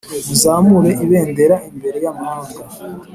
muzamure ibendera imbere y’amahanga.